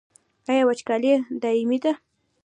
آیا وچکالي دایمي ده؟